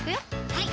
はい